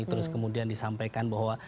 terus kemudian disampaikan bahwa